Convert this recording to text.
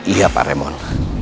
iya pak remon